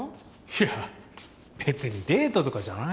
いや別にデートとかじゃないよ